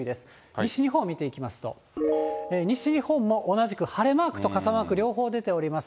西日本を見ていきますと、西日本も同じく晴れマークと傘マーク、両方出ております。